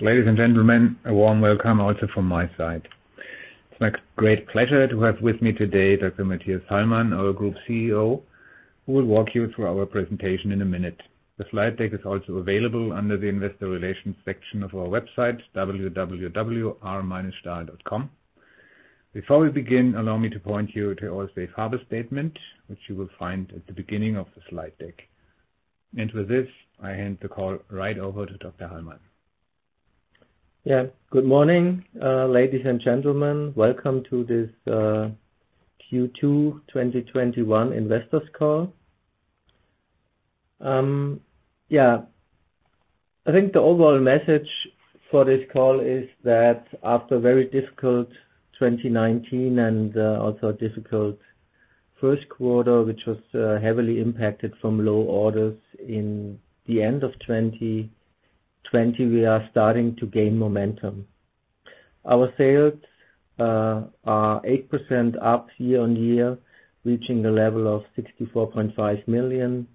Ladies and gentlemen, a warm welcome also from my side. It's my great pleasure to have with me today Dr. Mathias Hallmann, our Group CEO, who will walk you through our presentation in a minute. The slide deck is also available under the investor relations section of our website, www.r-stahl.com. Before we begin, allow me to point you to our safe harbor statement, which you will find at the beginning of the slide deck. With this, I hand the call right over to Dr. Hallmann. Yeah. Good morning, ladies and gentlemen. Welcome to this Q2 2021 investors call. Yeah. I think the overall message for this call is that after a very difficult 2019 and also a difficult first quarter, which was heavily impacted from low orders in the end of 2020, we are starting to gain momentum. Our sales are 8% up year-on-year, reaching a level of 64.5 million.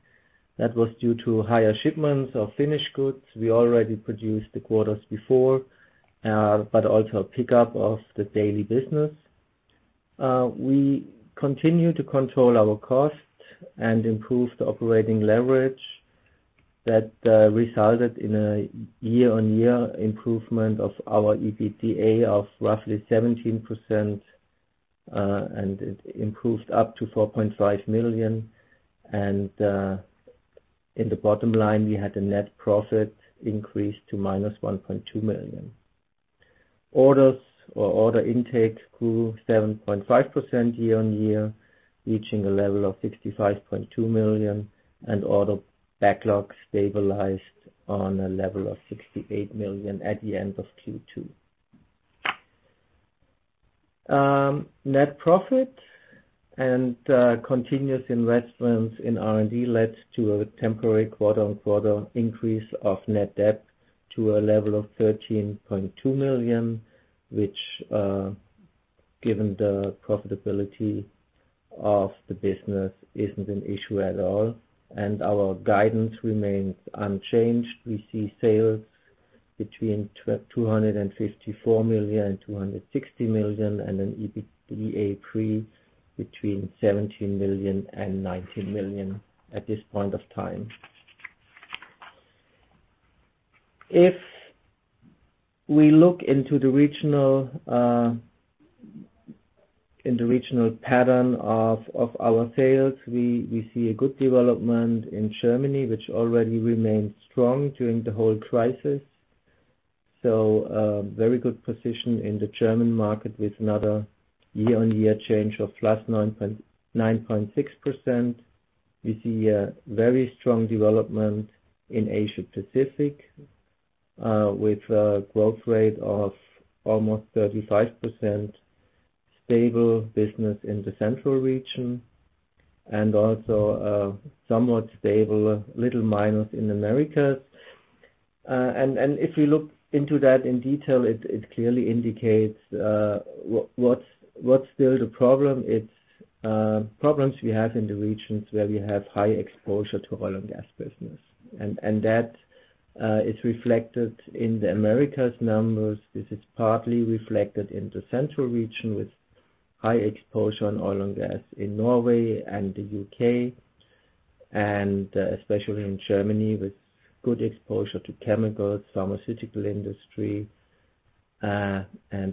That was due to higher shipments of finished goods we already produced the quarters before, also a pickup of the daily business. We continue to control our costs and improve the operating leverage that resulted in a year-on-year improvement of our EBITDA of roughly 17%. It improved up to 4.5 million. In the bottom line, we had a net profit increase to -1.2 million. Orders or order intake grew 7.5% year-on-year, reaching a level of 65.2 million, and order backlog stabilized on a level of 68 million at the end of Q2. Net profit and continuous investments in R&D led to a temporary quarter-on-quarter increase of net debt to a level of 13.2 million, which, given the profitability of the business, isn't an issue at all. Our guidance remains unchanged. We see sales between 254 million and 260 million and an EBITDA pre between 17 million and 19 million at this point of time. If we look into the regional pattern of our sales, we see a good development in Germany, which already remained strong during the whole crisis. A very good position in the German market with another year-on-year change of +9.6%. We see a very strong development in Asia Pacific, with a growth rate of almost 35%. Stable business in the central region also a somewhat stable, little minus in Americas. If we look into that in detail, it clearly indicates what's still the problem. It's problems we have in the regions where we have high exposure to oil and gas business. That is reflected in the Americas numbers. This is partly reflected in the central region with high exposure on oil and gas in Norway and the U.K., and especially in Germany, with good exposure to chemicals, pharmaceutical industry.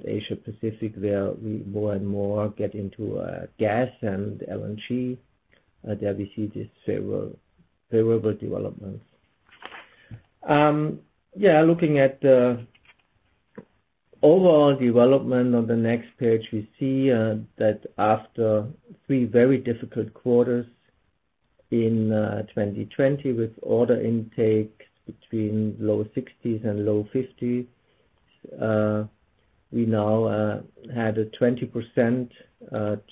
Asia Pacific, where we more and more get into gas and LNG. There we see these favorable developments. Looking at the overall development on the next page, we see that after three very difficult quarters in 2020 with order intake between low EUR 60s and low EUR 50s, we now had a 20%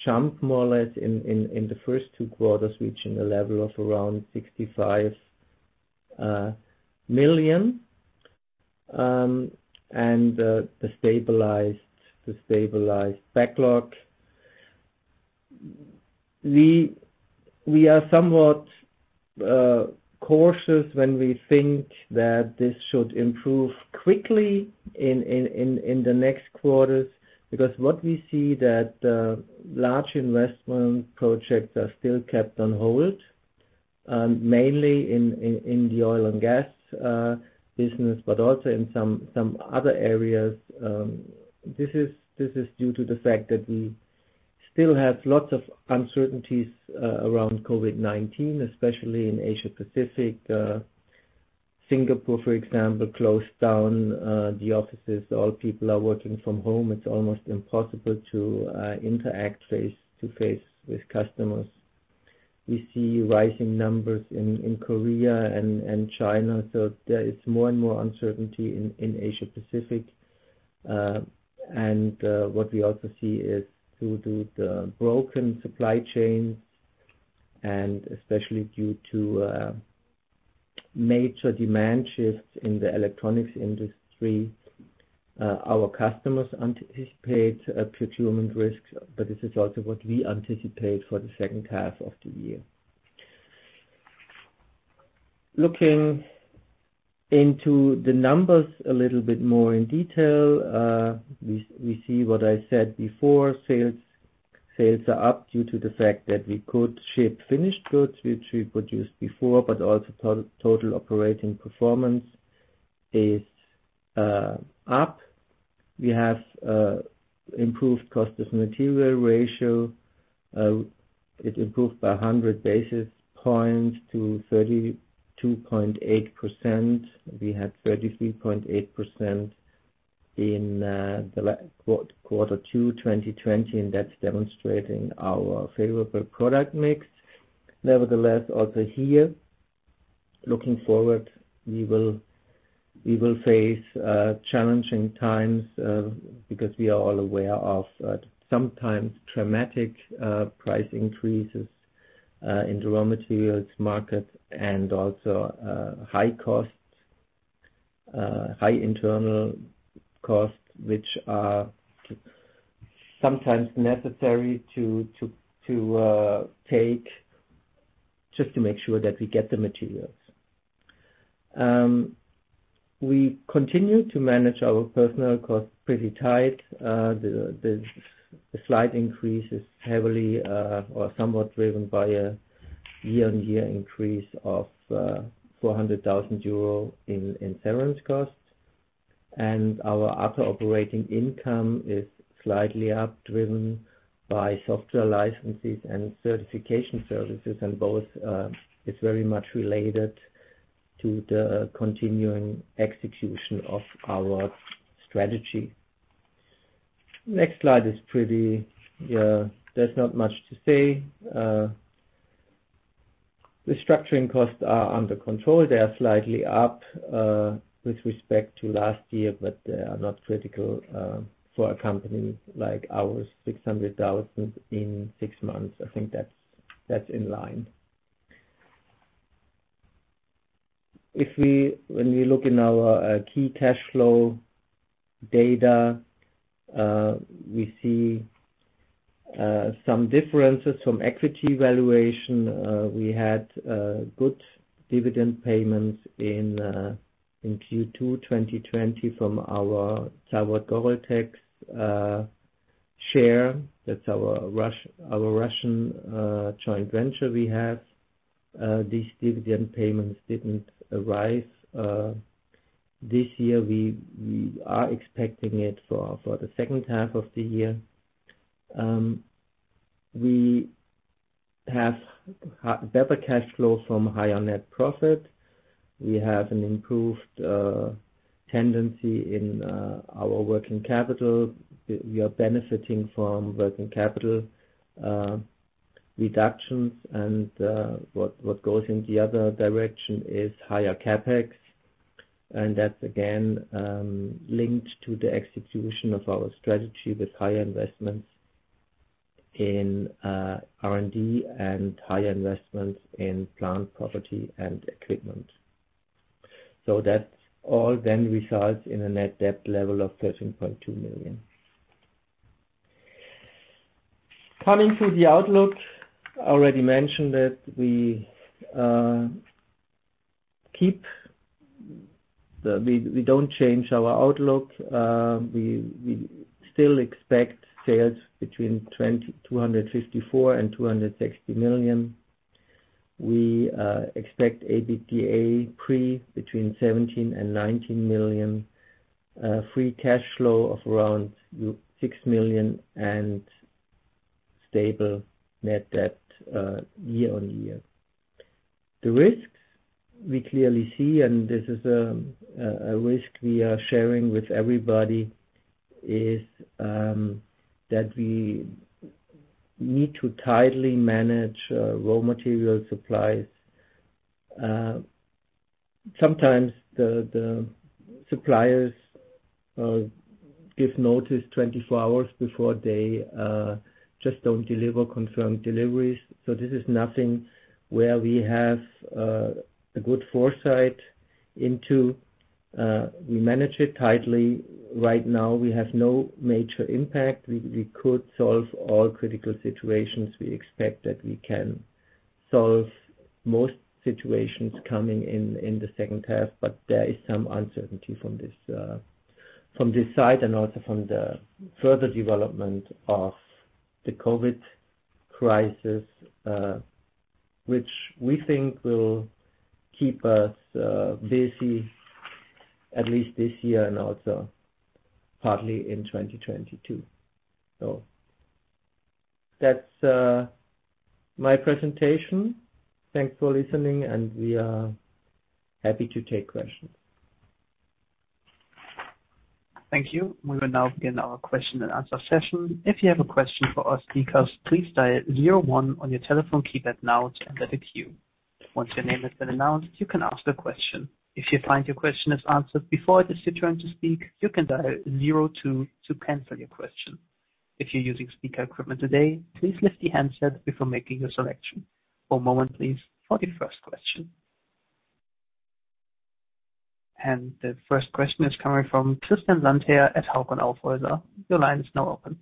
jump, more or less, in the first two quarters, reaching a level of around EUR 65 million, and the stabilized backlog. We are somewhat cautious when we think that this should improve quickly in the next quarters because what we see that large investment projects are still kept on hold, mainly in the oil and gas business, but also in some other areas. This is due to the fact that we still have lots of uncertainties around COVID-19, especially in Asia Pacific. Singapore, for example, closed down the offices. All people are working from home. It's almost impossible to interact face-to-face with customers. We see rising numbers in Korea and China, there is more and more uncertainty in Asia Pacific. What we also see is due to the broken supply chains and especially due to major demand shifts in the electronics industry, our customers anticipate procurement risks, this is also what we anticipate for the second half of the year. Looking into the numbers a little bit more in detail, we see what I said before. Sales are up due to the fact that we could ship finished goods, which we produced before, also total operating performance is up. We have improved cost of material ratio. It improved by 100 basis points to 32.8%. We had 33.8% in quarter two 2020, that's demonstrating our favorable product mix. Nevertheless, also here, looking forward, we will face challenging times, because we are all aware of sometimes dramatic price increases in raw materials market and also high internal costs, which are sometimes necessary to take just to make sure that we get the materials. We continue to manage our personnel costs pretty tight. The slight increase is heavily or somewhat driven by a year-on-year increase of 400,000 euro in insurance costs. Our other operating income is slightly up, driven by software licenses and certification services, and both is very much related to the continuing execution of our strategy. Next slide, there's not much to say. Restructuring costs are under control. They are slightly up with respect to last year, but they are not critical for a company like ours, 600,000 in six months. I think that's in line. When we look in our key cash flow data, we see some differences from equity valuation. We had good dividend payments in Q2 2020 from our ZAVOD Goreltex share. That's our Russian joint venture we have. These dividend payments didn't arise. This year, we are expecting it for the second half of the year. We have better cash flow from higher net profit. We have an improved tendency in our working capital. We are benefiting from working capital reductions, what goes in the other direction is higher CapEx. That's again, linked to the execution of our strategy with higher investments in R&D and higher investments in plant property and equipment. That all then results in a net debt level of 13.2 million. Coming to the outlook, I already mentioned that we don't change our outlook. We still expect sales between 254 million-260 million. We expect EBITDA pre between 17 million and 19 million, free cash flow of around 6 million, and stable net debt year-on-year. The risks we clearly see, and this is a risk we are sharing with everybody, is that we need to tightly manage raw material supplies. Sometimes the suppliers give notice 24 hours before they just don't deliver confirmed deliveries. This is nothing where we have a good foresight into. We manage it tightly. Right now, we have no major impact. We could solve all critical situations. We expect that we can solve most situations coming in the second half, but there is some uncertainty from this side and also from the further development of the COVID-19, which we think will keep us busy at least this year and also partly in 2022. That's my presentation. Thanks for listening, and we are happy to take questions. Thank you. We will now begin our question and answer session. If you have a question for our speakers, please dial zero one on your telephone keypad now to enter the queue. Once your name has been announced, you can ask a question. If you find your question is answered before it is your turn to speak, you can dial zero two to cancel your question. If you're using speaker equipment today, please lift the handset before making your selection. One moment, please, for the first question. The first question is coming from Tristan Landher at Hauck & Aufhäuser. Your line is now open.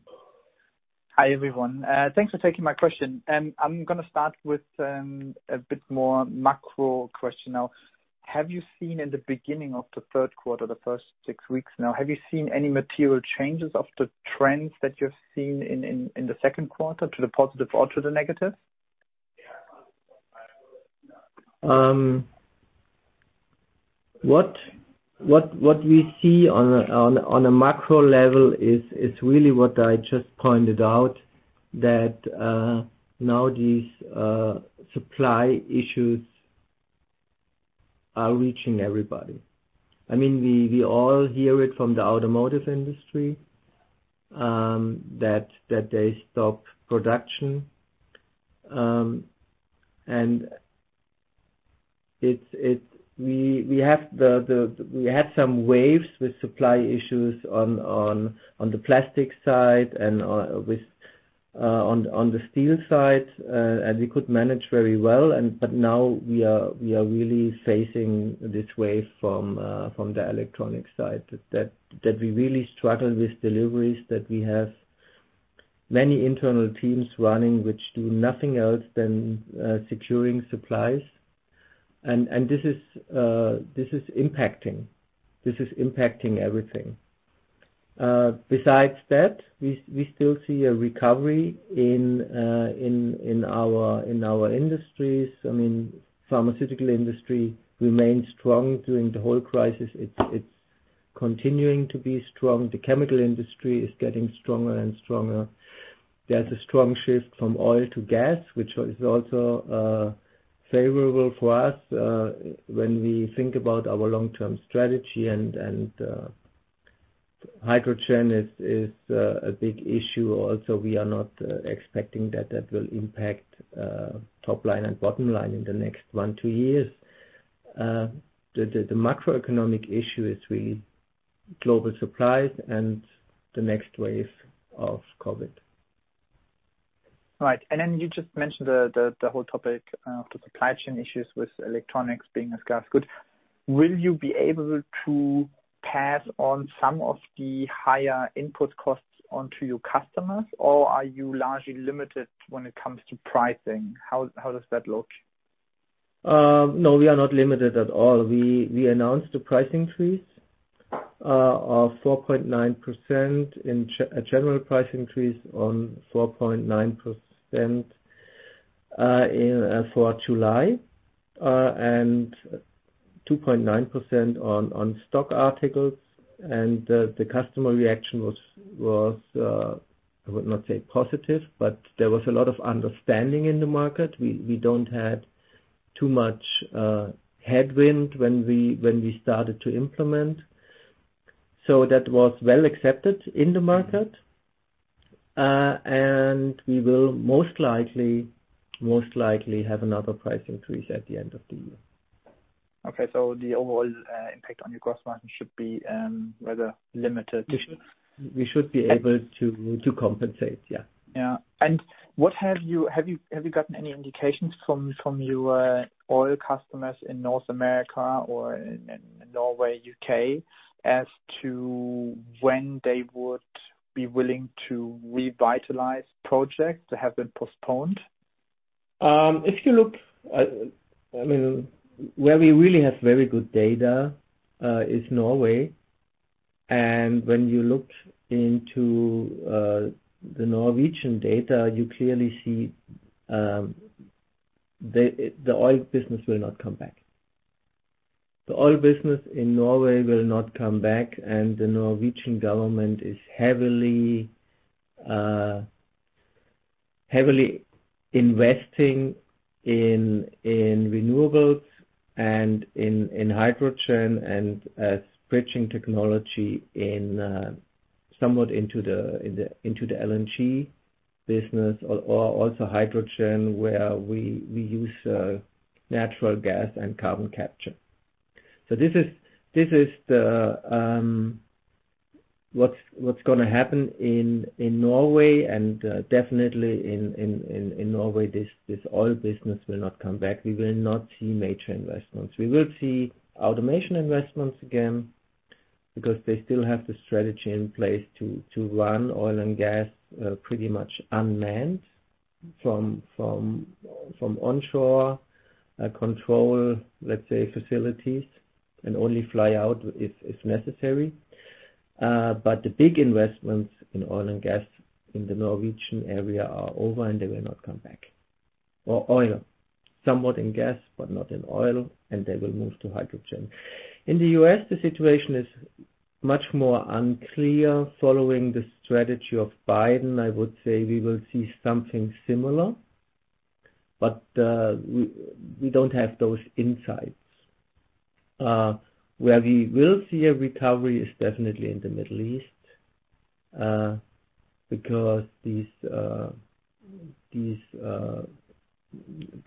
Hi, everyone. Thanks for taking my question. I'm going to start with a bit more macro question now. Have you seen in the beginning of the third quarter, the first six weeks now, have you seen any material changes of the trends that you've seen in the second quarter to the positive or to the negative? What we see on a macro level is really what I just pointed out, that now these supply issues are reaching everybody. We all hear it from the automotive industry, that they stop production. We had some waves with supply issues on the plastic side and on the steel side, and we could manage very well. Now we are really facing this wave from the electronic side, that we really struggle with deliveries, that we have many internal teams running, which do nothing else than securing supplies. This is impacting everything. Besides that, we still see a recovery in our industries. Pharmaceutical industry remained strong during the whole crisis. It's continuing to be strong. The chemical industry is getting stronger and stronger. There's a strong shift from oil to gas, which is also favorable for us, when we think about our long-term strategy, and hydrogen is a big issue also. We are not expecting that will impact top line and bottom line in the next one, two years. The macroeconomic issue is really global supplies and the next wave of COVID-19. Right. You just mentioned the whole topic of the supply chain issues with electronics being a scarce good. Will you be able to pass on some of the higher input costs onto your customers, or are you largely limited when it comes to pricing? How does that look? No, we are not limited at all. We announced a price increase of 4.9%, a general price increase of 4.9% for July, and 2.9% on stock articles. The customer reaction was, I would not say positive, but there was a lot of understanding in the market. We don't have too much headwind when we started to implement. That was well accepted in the market. We will most likely have another price increase at the end of the year. The overall impact on your gross margin should be rather limited. We should be able to compensate, yeah. Have you gotten any indications from your oil customers in North America or in Norway, U.K., as to when they would be willing to revitalize projects that have been postponed? If you look, where we really have very good data, is Norway. When you looked into the Norwegian data, you clearly see the oil business will not come back. The oil business in Norway will not come back, and the Norwegian government is heavily investing in renewables and in hydrogen and bridging technology somewhat into the LNG business, or also hydrogen, where we use natural gas and carbon capture. This is what's going to happen in Norway, and definitely in Norway, this oil business will not come back. We will not see major investments. We will see automation investments again, because they still have the strategy in place to run oil and gas pretty much unmanned from onshore control facilities, and only fly out if necessary. The big investments in oil and gas in the Norwegian area are over, and they will not come back. Oil. Somewhat in gas, but not in oil, and they will move to hydrogen. In the U.S., the situation is much more unclear. Following the strategy of Biden, I would say we will see something similar, but we don't have those insights. Where we will see a recovery is definitely in the Middle East, because these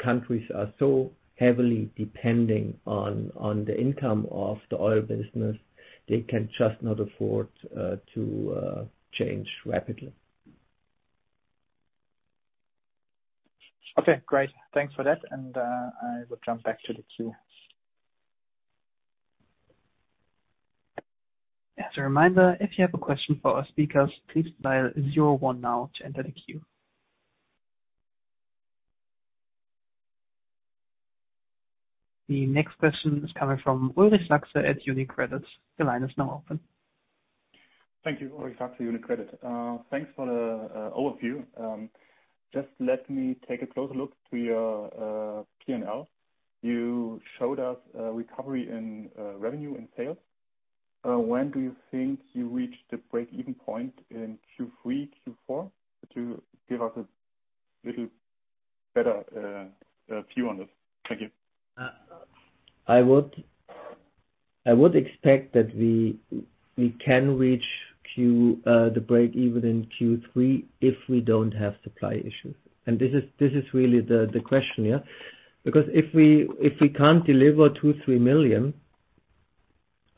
countries are so heavily depending on the income of the oil business, they can just not afford to change rapidly. Okay, great. Thanks for that. I will jump back to the queue. As a reminder, if you have a question for our speakers, please dial zero one now to enter the queue. The next question is coming from Ulrich Sachse at UniCredit. Your line is now open. Thank you. Ulrich Sachse, UniCredit. Thanks for the overview. Just let me take a closer look to your P&L. You showed us a recovery in revenue and sales. When do you think you reach the break-even point? In Q3, Q4? To give us a little better view on this. Thank you. I would expect that we can reach the break-even in Q3 if we don't have supply issues. This is really the question. Because if we can't deliver 2, 3 million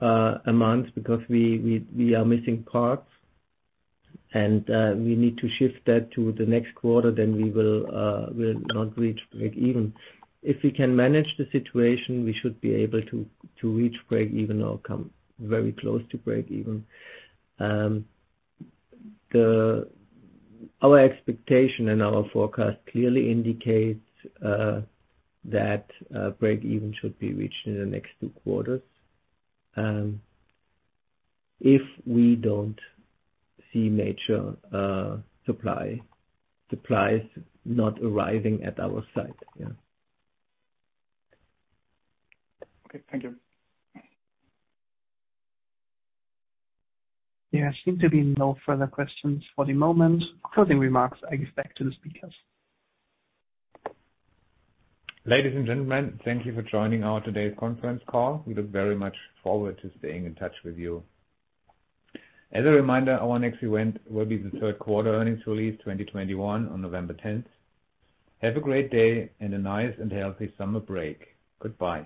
a month because we are missing parts and we need to shift that to the next quarter, then we will not reach break-even. If we can manage the situation, we should be able to reach break-even or come very close to break-even. Our expectation and our forecast clearly indicates that break-even should be reached in the next two quarters, if we don't see major supplies not arriving at our site. Okay. Thank you. There seem to be no further questions for the moment. Closing remarks, I give back to the speakers. Ladies and gentlemen, thank you for joining today's conference call. We look very much forward to staying in touch with you. As a reminder, our next event will be the third quarter earnings release 2021 on November 10th. Have a great day and a nice and healthy summer break. Goodbye.